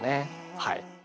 はい。